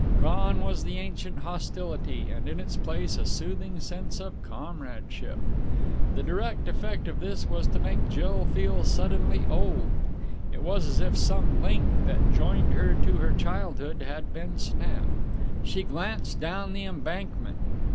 Gone was the ancient hostility, and in its place a soothing sense of comradeship. The direct effect of this was to make Jill feel suddenly old. It was as if some link that joined her to her childhood had been snapped. She glanced down the Embankment.